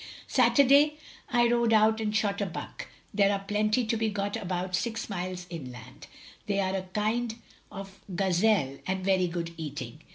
.. Saturday I rode out and shot a buck, there are plenty to he got about six miles inland; they are a kind of gazelle, and very good eating.